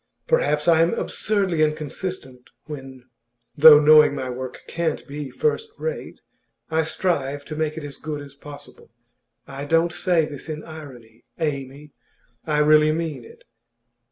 Perhaps I am absurdly inconsistent when though knowing my work can't be first rate I strive to make it as good as possible. I don't say this in irony, Amy; I really mean it.